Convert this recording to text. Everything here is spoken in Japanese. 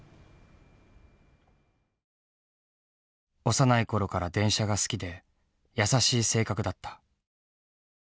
幼い頃から電車が好きで優しい性格だった。